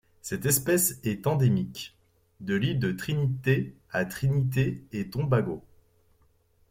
Cette espèce est endémique de l'île de Trinité à Trinité-et-Tobago.